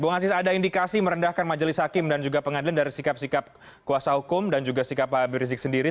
bung aziz ada indikasi merendahkan majelis hakim dan juga pengadilan dari sikap sikap kuasa hukum dan juga sikap pak bir rizik sendiri